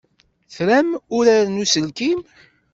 Tram uraren n uselkim?